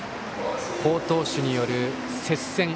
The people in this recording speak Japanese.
好投手による接戦。